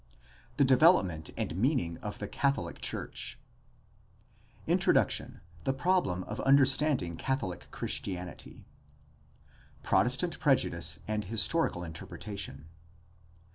THE DEVELOPMENT AND MEANING OF THE CATHOLIC CHURCH introduction: the problem of understanding catholic christianity Protestant prejudice and historical interpretation.